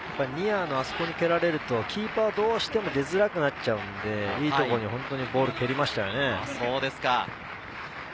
ニアのあそこに蹴られるとキーパーはどうしても出づらくなっちゃうんで、いいところに本当にボールを蹴りましたよね。